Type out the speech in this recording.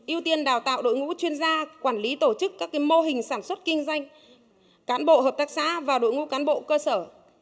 ưu tiên đào tạo đội ngũ chuyên gia quản lý tổ chức các mô hình sản xuất kinh doanh cán bộ hợp tác xã và đội ngũ cán bộ cơ sở